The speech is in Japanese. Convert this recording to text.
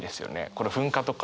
この「噴火」とか。